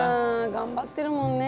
頑張ってるもんね。